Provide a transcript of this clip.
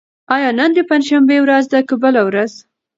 آیا نن د پنجشنبې ورځ ده که بله ورځ؟